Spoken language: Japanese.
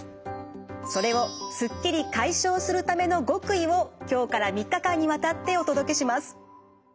それをすっきり解消するための極意を今日から３日間にわたってお届けします。